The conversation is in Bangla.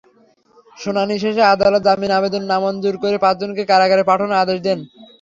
শুনানি শেষে আদালত জামিন আবেদন নামঞ্জুর করে পাঁচজনকে কারাগারে পাঠানোর আদেশ দেন।